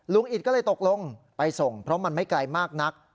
อิตก็เลยตกลงไปส่งเพราะมันไม่ไกลมากนัก